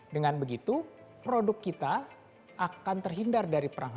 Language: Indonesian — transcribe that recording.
dengan begitu produk kita akan terhindar dari perang